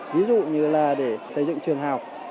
ví dụ như là để xây dựng trường học